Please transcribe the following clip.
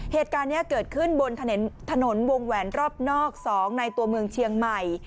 เหตุการณ์นี้เกิดขึ้นบนถนนวงแหวนรอบนอก๒ในตัวเมืองเชียงใหม่